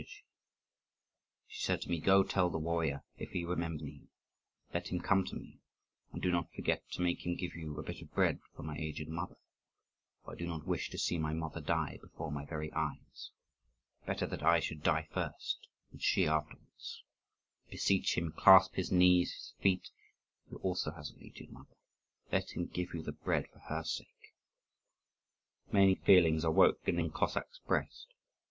She said to me, 'Go tell the warrior: if he remembers me, let him come to me; and do not forget to make him give you a bit of bread for my aged mother, for I do not wish to see my mother die before my very eyes. Better that I should die first, and she afterwards! Beseech him; clasp his knees, his feet: he also has an aged mother, let him give you the bread for her sake!'" Many feelings awoke in the young Cossack's breast.